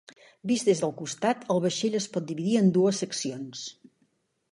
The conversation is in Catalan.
Vist des del costat, el vaixell es pot dividir en dues seccions.